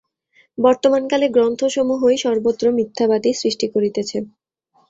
বর্তমানকালে গ্রন্থসমূহই সর্বত্র মিথ্যাবাদী সৃষ্টি করিতেছে।